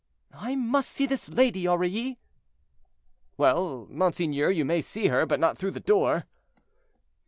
"I must see this lady, Aurilly." "Well, monseigneur, you may see her; but not through the door."